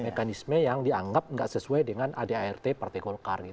mekanisme yang dianggap tidak sesuai dengan adart partai golkar